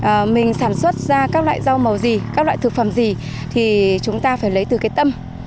và mình sản xuất ra các loại rau màu gì các loại thực phẩm gì thì chúng ta phải lấy từ cái tâm